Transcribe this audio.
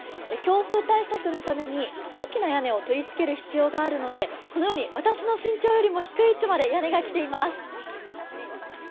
強風対策のために大きな屋根を取り付ける必要があるのでこのように私の身長よりも低い位置まで屋根がきています。